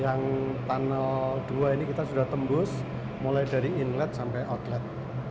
yang tunnel dua ini kita sudah tembus mulai dari inlet sampai outlet